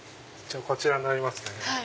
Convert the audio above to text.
こちらになりますね。